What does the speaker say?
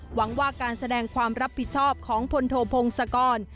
หวังว่าการแสดงความรับผิดชอบของพลโทพงศกร